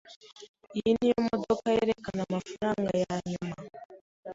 Iyi niyo modoka yerekana amafaranga yanyuma?